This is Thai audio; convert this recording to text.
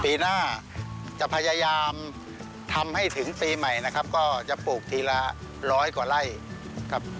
ปีหน้าจะพยายามทำให้ถึงปีใหม่นะครับก็จะปลูกทีละร้อยกว่าไร่ครับ